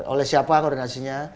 oleh siapa koordinasinya